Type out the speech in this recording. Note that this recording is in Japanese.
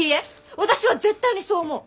私は絶対にそう思う！